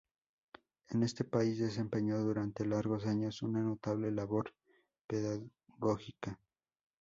En este país desempeñó durante largos años una notable labor pedagógica.